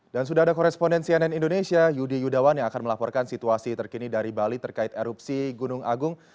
dan sudah ada koresponden cnn indonesia yudi yudawan yang akan melaporkan situasi terkini dari bali terkait erupsi gunung agung